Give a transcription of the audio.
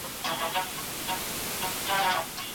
ښایي ړوند ښوونکي په ګڼ ځای کي اوږده کیسه وکړي.